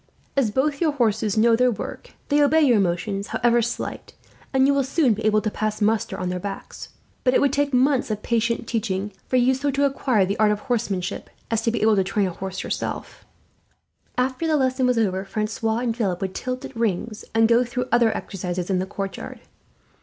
As both your horses know their work, they obey your motions, however slight; and you will soon be able to pass muster on their backs. But it would take months of patient teaching for you so to acquire the art of horsemanship as to be able to train an animal, yourself." After the lesson was over, Francois and Philip would tilt at rings and go through other exercises in the courtyard.